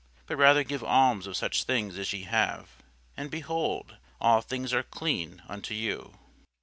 But rather give alms of such things as ye have; and, behold, all things are clean unto you.